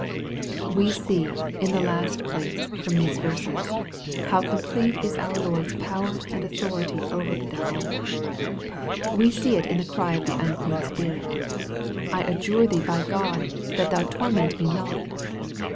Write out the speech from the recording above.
We see, in the last place, from these verses, how com plete is our Lord's power and authority over the devil. We see it in the cry of the unclean spirit, " I adjure thee by God, that thou torment me not."